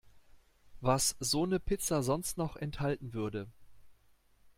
Was so 'ne Pizza sonst noch enthalten würde.